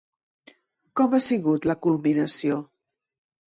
Com ha sigut la culminació?